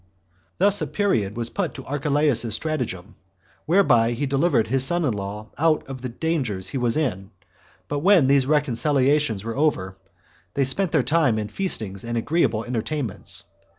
6. Thus a period was put to Archelaus's stratagem, whereby he delivered his son in law out of the dangers he was in; but when these reconciliations were over, they spent their time in feastings and agreeable entertainments.